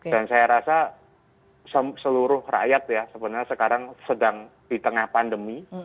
dan saya rasa seluruh rakyat ya sebenarnya sekarang sedang di tengah pandemi